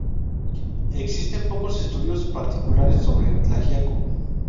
Existen pocos estudios particulares sobre Tlaxiaco.